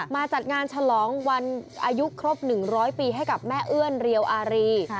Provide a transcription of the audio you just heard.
จัดงานฉลองวันอายุครบ๑๐๐ปีให้กับแม่เอื้อนเรียวอารี